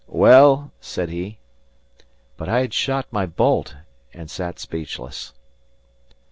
"Well?" said he. But I had shot my bolt and sat speechless.